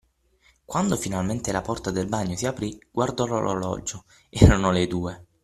Quando finalmente la porta del bagno si aprí, guardò l’orologio: erano le due.